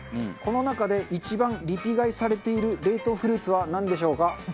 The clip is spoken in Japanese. この中で一番リピ買いされている冷凍フルーツはなんでしょうか？